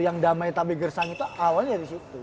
yang damai tapi gersang itu awalnya di situ